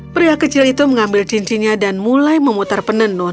pria kecil itu mengambil cincinnya dan mulai memutar penenun